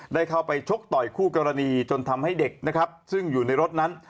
ได้เข้าไปชกต่อยคู่กรณีจนทำให้เด็กนะครับซึ่งอยู่ในรถนั้น